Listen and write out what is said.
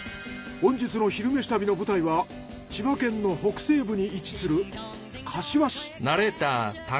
本日の「昼めし旅」の舞台は千葉県の北西部に位置する柏市。